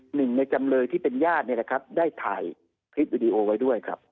หนึ่งในจำเลยที่เป็นญาติเนี่ยนะครับได้ถ่ายคลิปวิดีโอไว้ด้วยครับ